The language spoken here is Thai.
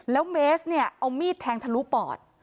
แล้วเมสเนี่ยเอามีดแทงทะลุปอด